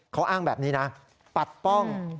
เขาอ้างแบบนี้นะปัดป้อง